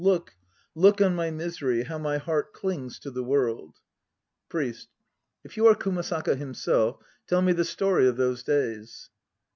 Look, look on my misery, how my heart clings to the World ! PRIEST. If you are Kumasaka himself, tell me the story of those days.